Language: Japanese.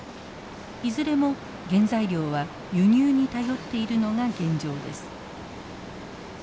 いずれも原材料は輸入に頼っているのが現状です。